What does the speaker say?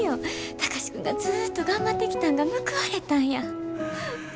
貴司君がずっと頑張ってきたんが報われたんや。